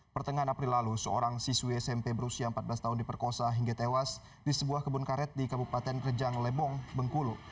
pertengahan april lalu seorang siswi smp berusia empat belas tahun diperkosa hingga tewas di sebuah kebun karet di kabupaten rejang lebong bengkulu